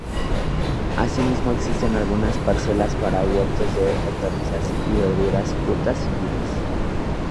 Asimismo, existen algunas parcelas para huertos de hortalizas y verduras, frutales y vides.